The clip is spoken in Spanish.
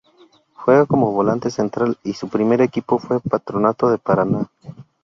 Juega como volante central y su primer equipo fue Patronato de Paraná.